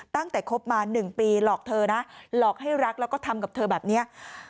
คบมา๑ปีหลอกเธอนะหลอกให้รักแล้วก็ทำกับเธอแบบนี้